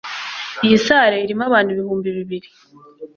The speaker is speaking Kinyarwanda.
iyi salle irimo abantu ibihumbi bibiri